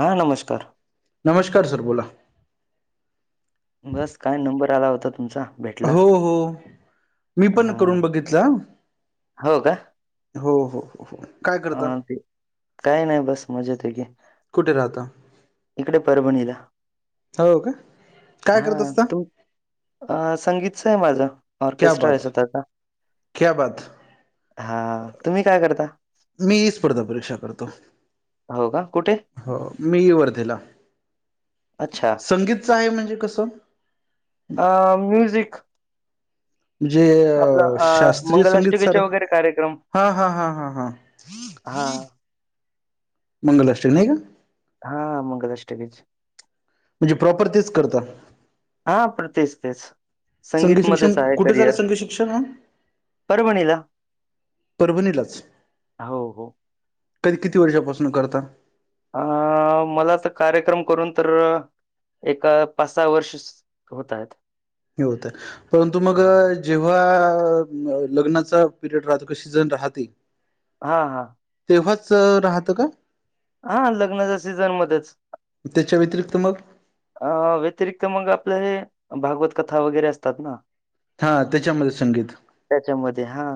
हां नमस्कार. नमस्कार सर बोला. बस काय नंबर आला होता तुमचा भेटला. हो हो मी पण हां. करून बघितलं. हो हो हो हो हो. काय करता हा ते काही नाही बस मजेत आहे की कुठे राहता इकडे परभणीला हो का काय करत हा असता तू अ संगीतच आहे माझं क्या ऑर्केस्ट्रा बात आहे स्वतःचा क्या बात हा तुम्ही काय करता. मी ही स्पर्धा परीक्षा करतो. हो का कुठे? हो मी वर्धेला. अच्छा. संगीतच आहे म्हणजे कसं. अ म्युझिकिक म्हणजे आपलं अ शास्त्रीय संगीत सर मंगलष्टमीचे वगैरे कार्यक्रम हा हा हा हा हा हा. मंगलष्ट्री नाही का? हा मंगलआष्टक. म्हणजे प्रॉपर तेच करता. हा प्र तेच- तेच. संगीत शिक्षण संगीतमध्येच आहे कुठे झालं करिअर संगीत शिक्षण परभणीला परभणीलाच हो, हो. कधी किती वर्षापासून करता. अ मला तर कार्यक्रम करून तर एका पाच सहा वर्ष होत आहेत. हे होत परंतु मग हां. जेव्हा लग्नाचा पिरियड राहतो कशी जण राहते. हा -हा. तेव्हाच राहतं का? हा लग्नाच्या सीझन मध्येच त्याच्या व्यतिरिक्त मग अ व्यतिरिक्त मग आपलं हे भागवत कथा वगैरे असतात ना. हा त्याच्यामध्ये संगीत त्याच्यामध्ये हा.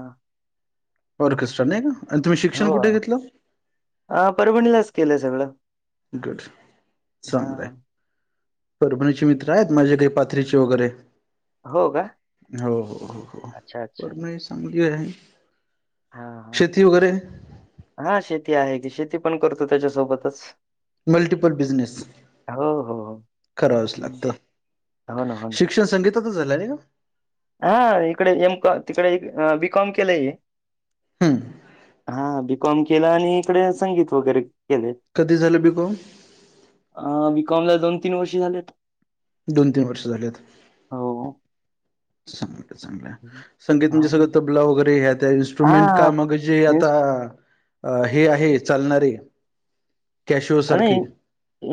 ओरके सर नाही का आणि तुम्ही शिक्षण कुठे घेतलं. ह परभणीलाच केलंय सगळं. गुड चांगलंय. हां. परभणीचे मित्र आहेत माझे काही पाथरीचे वगैरे हो का? हो हो हो हो अच्छा, अच्छा. परभणी चांगली आहे. हा हा शेती वगैरे हा शेती आहे की शेती पण करतो त्याच्यासोबतच मल्टिपल बिझनेस हो, हो, करावच लागतं. हा न. शिक्षण संगीतातच झालं नाही का? हा इकडे एमॉ तिकडे बी कॉम केलंय. हां. हा बी कॉम केला आणि इकडे संगीत वगैरे केले. कधी झालं बी कॉम. अ बी कॉम ला दोन तीन वर्षी झालेत. दोन तीन वर्ष झालेत. हो. चांगलं - चांगलं. संगीत म्हणजे हा सगळं तबला वगैरे हे त्या इन्स्ट्रुमेंट का मग जे आता इन्स्ट- अ हे आहे चालणारे कॅशिओ आणि सारखे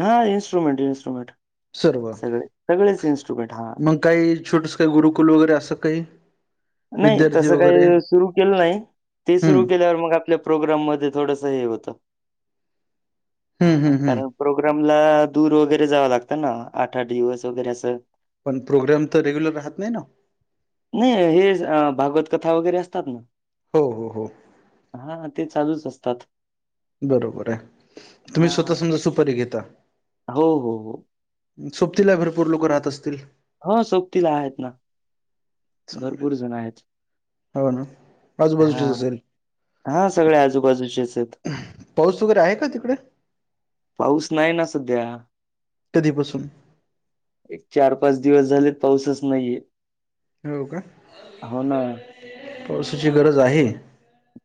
हा इंस्ट्रुमेंट, इंस्ट्रुमेट. सर्व सगळे, सगळेच इन्स्टुमेंट हा. मग काही छोटस गुरुकुल वगैरे असं काही? नाही तस विद्यार्थी वगैरे काही सुरू केलं नाही ते हम्म सुरू केल्यावर मग आपल्या प्रोग्राम मध्ये थोडस हे होत हम्म हा हम्म हम्म कारण प्रोग्रामला दूर वगैरे जावं लागतं ना आठ, आठ दिवस वगैरे असं. पण प्रोग्राम तर रेग्युलर राहत नाही ना? नाही हे भागवत कथा वगैरे असतातन. हो, हो, हो. हान ते चालूच असतात. बरोबर आहे तुम्ही हा स्वतः समजा सुपारी घेता. हो, हो, हो. सोपतीला भरपूर लोक राहत असतील? हो सोपतीला आहेत ना. भरपूर चांगलं जण आहेत. हो ना आजूबाजूची हा असेल? हा सगळे आजूबाजूचेच आहेत. पाऊस वगैरे आहे का तिकडे पाऊस नाही ना सध्या. कधी पासून? एक, चार, पाच दिवस झालेत पाऊसच नाहीये. हो का. होना. पावसाची गरज आहे.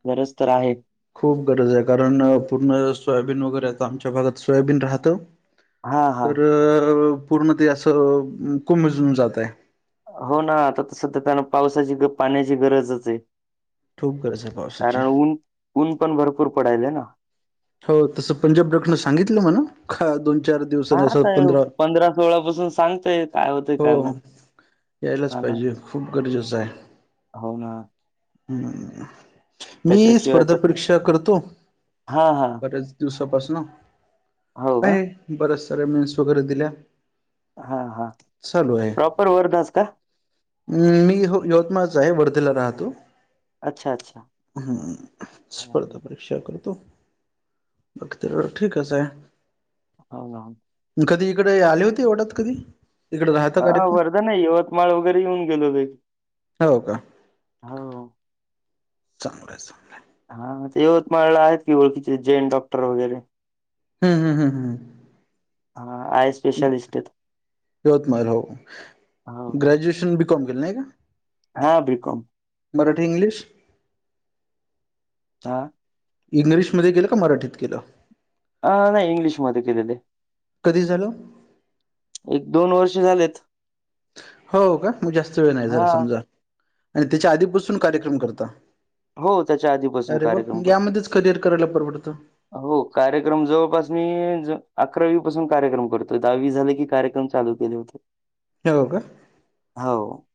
गरज तर आहेत. खूप गरज आहे कारण पूर्ण सोयाबीन वगैरे आमच्या भागात सोयाबीन राहतं. हा हा तर पूर्ण ते असं कोमजून जात आहे. हो ना आता तसत त्यांला पावसाची पाण्याची गरजच आहे. खूप गरज आहे पावसाची. कारण ऊन, ऊन पण भरपूर पडायल ना. हो तसं पंजाब डॉक्टर न सांगितलं मला दोन, चार दिवस अस पंधरा जवळापासून सांगतय. काय होतंय हो काय माहित यायलाच हा ना पाहिजे खूप गरजेचं आहे. हो ना हम्म मी त्याच्याशिवाय स्पर्धा तर परीक्षा करतो हा हा बऱ्याच दिवसापासून हो अ का बऱ्याच सऱ्या मेन्स वगैरे दिल्या. हा हा. चालू आहे प्रॉपर वर्धाच का मी यवतमाळच आहे वर्धेला राहतो. अच्छा अच्छा हम्म हो स्पर्ध हो परि क्षा करतो बाकी तर ठीकच आहे. हावन, हावन. कधी इकडे आले होती एवढात कधी? इकडे राहता हा कार्यक्रम वर्धा नाही यवतमाळ वगैरे येऊन गेलो ब. हो का. चांगलं, चांगलं. हा यवतमाळला आहेत की ओळखीचे जेैन डॉक्टर वगैरे. हम्म, हम्म, हम्म, हं. हा आहेस. यवतमाळ हो ग्रॅजुएशन बी, कॉम केलं नाही का? हा बि, कॅम. मराठी, इंग्लिश. हा इंग्लिशमध्ये ग केलं का मराठीत केलं ह नाही इंग्लिश मधकले कधी झालं वर्ष झालेत. हो का मग जास्त वेळ नाही जरा हां, समजा आणि त्याच्या आधीपासून कार्यक्रम करता हो, त्याच्या आधीपासून अरे वा म कार्यक्रम करतो. यामध्येच करिअर करायला परवडतं हो कार्यक्रम जवळपास मी अकरावी पासून कार्यक्रम करतो दहावी झाले की कार्यक्रम चालू केले होते हग का हो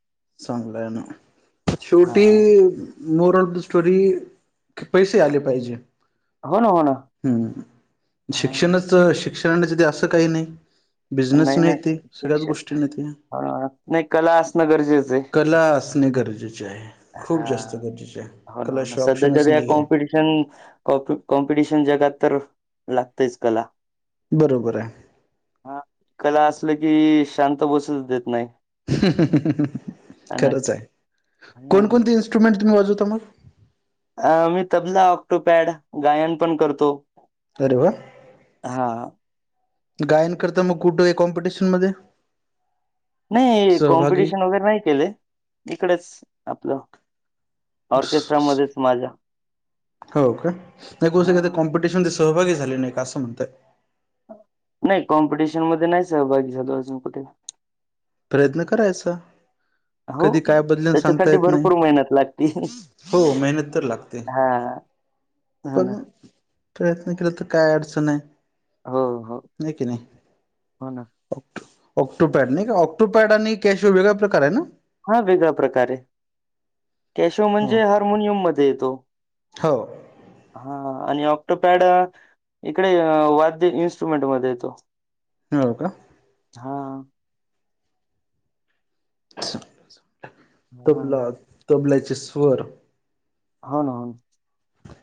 चांगलंय ना हां, शेवटी हां. मोर ऑल द स्टोरी पैसे आले पाहिजे. होन होन हम्म शिक्षणच शिक्षणाने असं काही नाही. बिझनेस नाही येते सगळ्याच गोष्टी नाहीेते. हो ना, हो ना. नाही, कला असणं गरजेचं कला असणे गरजेचे आहे. हा खूप जास्त गरजेचे आहे हो ना हो ना कलाशिवाय सध्या ऑप्शनच जरी या नाही आहे. कॉम्पिटि कॉम्पिटिशन जगात तर लागतेच कला बरोबर आहे हा कला असलं की शांत बस देत नाही अन खरंच आहे हा कोणकोणते इन्स्ट्रुमेंट तुम्ही वाजवता मग अ मी तबला ऑक्टोपॅड गायन पण करतो अरे वा हा गायन करता मग कुठे आहे कॉम्पिटिशन मध्ये नाही सहभागी कॉम्पिटिशन वगैरे नाही केले इकडेच आपलं ऑर्केस्ट्रामध्येच माझ्या होओके नाही क का हा. कॉम्पिटिशन दिस सहभागी झाले नाही का असं म्हणतय नाही कॉम्पिटिशन मध्ये नाही सहभागी झालो अजून कुठे प्रयत्न करायचा हो कधी काय बदलेन सांगता त्याच्यासाठी येत नाही भरपूर मेहनत लागते हो मेहनत तर लागते हो पण ना प्रयत्न केला तर काय अडचण आहे हो हो नाही की नाही हो ना. ऑक्टोपॅड नाही का ऑक्टोपॅड आणि कॅश व वेगळा प्रकार आहे ना हा वेगळा प्रकारे कॅशो हो म्हणजे हार्मोनियम मध्ये येतो हो हा आणि ऑक्टोपॅड इकडे वाद्य इन्स्ट्रुमेंट मध्ये येतो हो का हा ग हा तबला तबल्याचे स्वर होन हो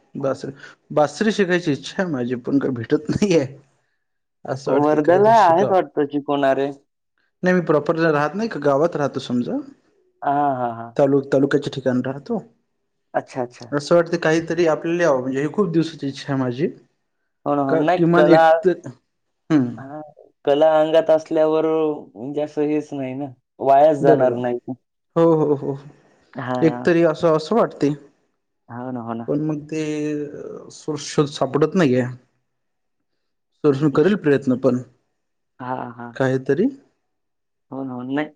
ना बासरी बासरी शिकायची इच्छा आहे माझी पण का भेटत नाहीये असं वाटते वर्ध्याला काहीतरी आहेत शिकाव वाटतं क कोणारे नाही मी प्रॉपर्टीला राहत नाही का गावात राहतो समजा हा हा हा तल तालुक्याचे ठिकण राहतो अच्छा अच्छा असं वाटतं काहीतरी आपल्याला यावं म्हणजेी खूप दिवसाची इच्छा आहे माझी ह हो का ना एक किमान कला तर हम्म हा कला अंगात असल्यावर म्हणजे असं हेच नाही ना वायाच जाणार बरोबर नाही हो हो हो हा एकतरी असं असं वाटते. हन हो ना. पण मग ते सुोर शोध सापडत नाहीे. सोसून करेल प्रयत्न पण हां हां. काहीतरी होन होन नाही.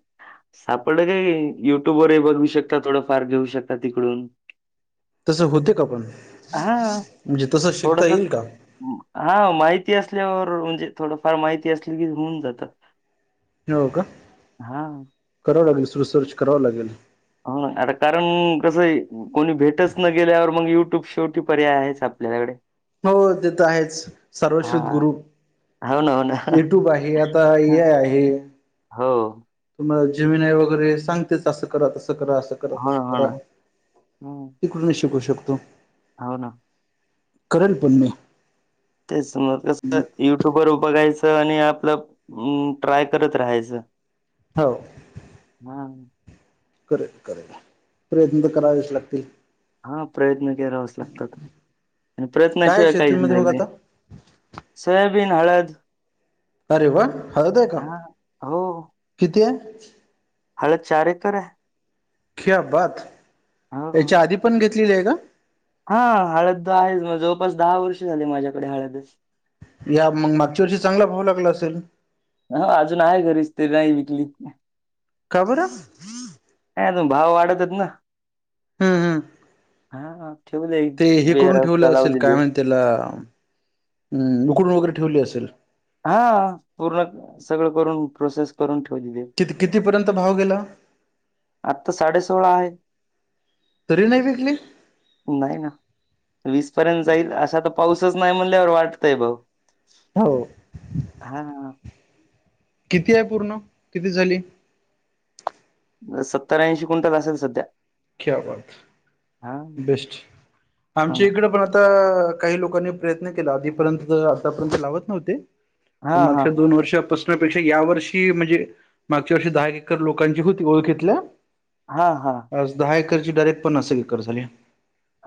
सापडलं काय युट्यूब वरही बघू शकता थोडं फार घेऊ शकता तिकडून तसं होते का पण हा म्हणजे तसं शिकता थोडस येईल का? हा माहिती असल्यावर म्हणजे थोडंफार माहिती असली की होऊन जातं. हो का हा करावं लागेल सुरूसर्च करावं लागेल. हो ना आता कारण कसं आहे. कोणी भेटच न गेल्यावर मग युट्यूब शेवटी पर्याय आहेच आपल्याकडे हो तेथ आहेच सर्वश्रुध गुरु होन हो ना. युट्यूब आहे आता ए हां. आय आहे. हो. तुम्हाला हं. जमीन आहे वगैरे सांगतेच असं करा तसं करा असं. हो ना, हो रा ना. हं. तिकडून शिकू शकतो. हो ना. करलपणणे तेचमर कसं युट्यूब वर बघायचं आणि आपलं ट्राय करत राहायचं. हो. हा. करेल करेल प्रयत्न तर करावेच लागतील. हा प्रयत्न केरावाच लागतात आणि काय प्रयत्नाशिवाय काहीच शेतीमध्ये मग नाहीहिजे. आता सोयाबीन हळद अरे वा हळतय का हां. हो, किती आहे. हळद चारे कर आहे. खिबात याच्या आधी पण घेतलेली आहे का? हा हळद आहे म जवळपास दहा वर्ष झाले माझ्याकडे हळदच. या मग मागच्या वर्षी चांगला भाव लागला असेल. हा अजून आहे घरीच तरी नाही विकली. खबर. नाही अजून भाव वाढत आहेत ना. हम् हम्. हा ठेवलं वेअर करून हाऊस ठेवलं असेल काय लावलेली. म्हण त्याला उकडून वगैरे ठेवली असेल. हा पूर्ण सगळं करून प्रोसेस करून ठेवली तेे किती कितीपर्यंत भाव गेला. आता साडे सोळा आहे. तरी नाही विकली. नाही आहे ना. वीस पर्यंत जाईल असा तर पाऊसच नाही म्हणल्यावर वाटतय भाऊ हो. हा. किती आहे पूर्ण किती झाली. सत्तर्याऐंशी कुंटल असेल सध्या. ख्या हा बेस्ट हो आमच्या ना इकड पण आता आता काही लोकांनी प्रयत्न केला आधीपर्यंत तर आतापर्यंत लावत नव्हते. हा पण माग हा दोन वर्ष ेक्षा या वर्षी म्हणजे मागच्या वर्षी दहा एकर लोकांची होती ओळखेतल्या हा हा. आज दहा एकरची डायरेट प्नास एकर झाली.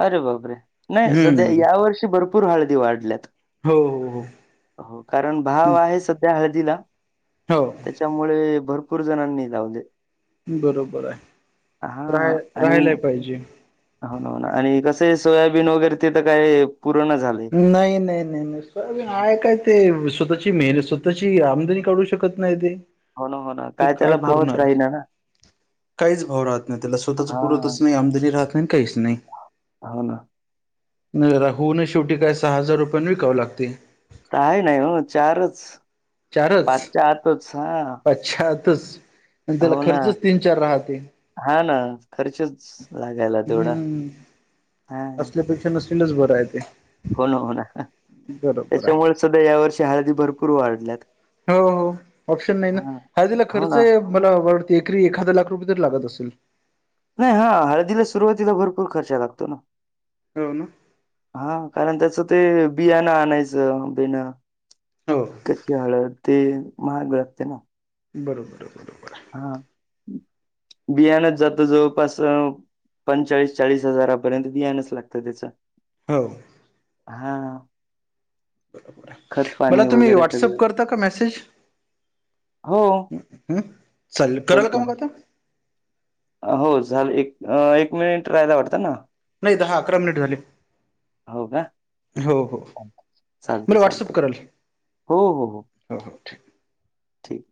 अरे बाबरे नाही सध्या हम्म या वर्षी भरपूर हळदी वाढल्यात. हो हो हो कारण हो भाव आहे सध्या हळदीला. हो. त्याच्यामुळे भरपूर जणांनी लावले. बरोबर आहे हा राय आणि राहायलाय पाहिजे. हो ना हो ना आणि कसं सोयाबीन वगैरे तेिथ काय पूर्ण झालं. नाही नाही नाही नाही आहे काय ते स्वतःची मेहनत स्वतःची आमदनी काढू शकत नाही ते हो ना हो ना ते काय त्याला भावच पुरणार राही ना ना. काहीच भाव राहत नाही त्याला स्वतःच हां, पुरतच नाही आमदरी राहत नाही काहीच नाही. होा ना. नाही राह ना शेवटी काय सहा हजार रुपयान विकाव लागते. का आहे नाही म चारच पाचच्या आतच हा. पाश्चातच आणि त्याला खर्चच तीन चार राहते. हा ना खर्चच लागायला तेवढा हम्म हां. असल्यापेक्षा नसलेलच बरं आहे ते हो ना हो ना बरोबर आहे. त्याच्यामुळे सध्या या वर्षी हळदी भरपूर वाढल्यात. हो हो ऑप्शन नाही ना हां, हा तिला हो खर्च ना. आहे. मला वार एकरी एखादा लाख रुपये तर लागत असेल. नाही हा हळदीला सुरुवातीला भरपूर खर्चा लागतो ना. हो ना. हा कारण त्याच ते बियाणं आणायचं बिणं हो. कशी हळ ते महाग लागते ना. बरोबर बरोबर. हा बियाणच जातो जवळपास पंचाळीस चाळीस हजारापर्यंत द्यांच लागतं त्याच. हो. हा. खत मला पाणी तुम्ही वगैरे व्हॉट्सअप सगळं. करता का मेसेज हो. चाल कराल का करतो मग ना. आता हो झालं एक एक मिनिट राहायला वाटतं ना. नाही दहा अकरा मिनिट झाले हो हो. ांगते मला व्हॉट्सअप चागते हो हो हो. होओठी ठीक.